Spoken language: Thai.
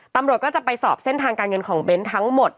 ตำรวจก็จะไปสอบเส้นทางการเงินของเบ้นทั้งหมด